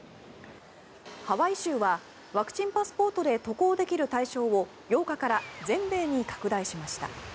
ハワイ州はワクチンパスポートで渡航できる対象を８日から全米に拡大しました。